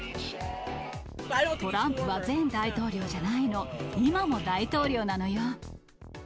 トランプは前大統領じゃないの、今も大統領なのよ。